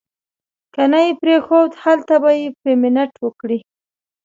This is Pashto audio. که نه یې پرېښود هلته به پیمنټ وکړي.